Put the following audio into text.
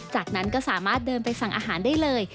จากนั้นก็สามารถเดินไปสั่งอาหารได้เลย